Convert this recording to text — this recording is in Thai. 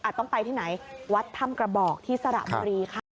ต้องไปที่ไหนวัดถ้ำกระบอกที่สระบุรีค่ะ